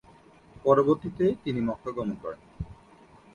পরবর্তীতে, তিনি মক্কা গমন করেন।